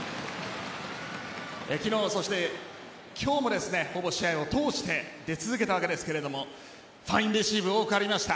昨日、そして今日も試合を通して出続けたわけですがファインレシーブ多くありました。